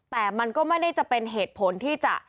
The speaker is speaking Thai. แต่มันก็ไม่ได้จะเป็นเหตุผลที่จะ